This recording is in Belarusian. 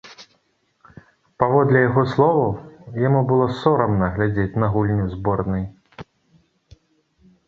Паводле яго словаў, яму было сорамна глядзець на гульню зборнай.